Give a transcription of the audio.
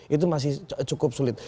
itu masih cukup sulit